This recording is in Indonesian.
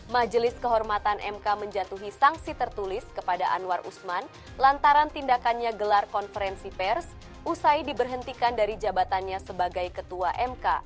majelis kehormatan mk menjatuhi sanksi tertulis kepada anwar usman lantaran tindakannya gelar konferensi pers usai diberhentikan dari jabatannya sebagai ketua mk